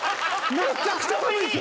めっちゃくちゃ寒いですよ。